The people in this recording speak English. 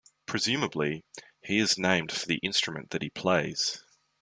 Presumably, he is named for the instrument that he plays.